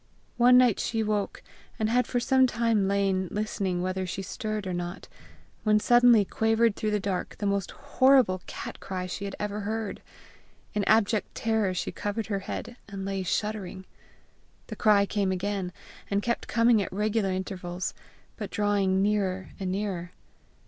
One night she woke, and had for some time lain listening whether she stirred or not, when suddenly quavered through the dark the most horrible cat cry she had ever heard. In abject terror she covered her head, and lay shuddering. The cry came again, and kept coming at regular intervals, but drawing nearer and nearer.